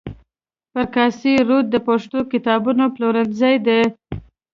پر کاسي روډ د پښتو کتابونو پلورنځي دي.